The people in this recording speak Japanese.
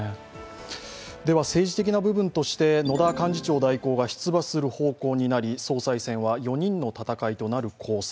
政治的な部分として野田幹事長代行が出馬する方向となり総裁選は４人の戦いとなる公算。